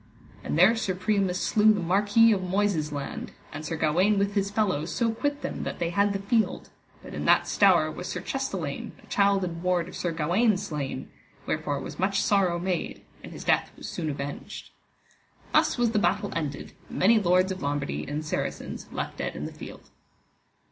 And there Sir Priamus slew the Marquis of Moises land, and Sir Gawaine with his fellows so quit them that they had the field, but in that stour was Sir Chestelaine, a child and ward of Sir Gawaine slain, wherefore was much sorrow made, and his death was soon avenged. Thus was the battle ended, and many lords of Lombardy and Saracens left dead in the field.